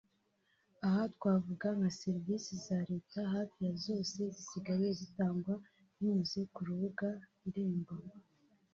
Aha twavuga nka serivisi za leta hafi ya zose zisigaye zitangwa binyuze ku rubuga Irembo